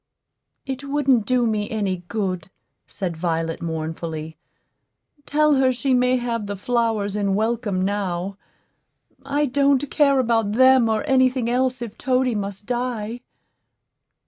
"It wouldn't do me any good," said Violet, mournfully. "Tell her she may have the flowers in welcome now. I don't care about them or any thing else if Toady must die."